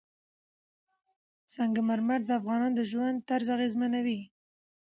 سنگ مرمر د افغانانو د ژوند طرز اغېزمنوي.